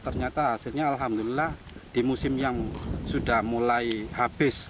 ternyata hasilnya alhamdulillah di musim yang sudah mulai habis